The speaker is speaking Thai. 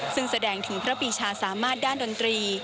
ซึ่งแสดงถึงพระปีชาสามารถด้านดนตรี